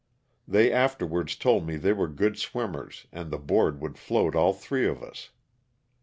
They afterwards told me they were good swimmers and the board would float all three of us.